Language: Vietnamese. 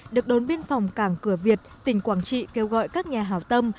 được đón biên phòng cảng cửa việt tỉnh quảng trị kêu gọi các nhà hảo tâm